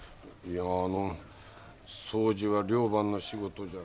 いやあの掃除は寮番の仕事じゃ。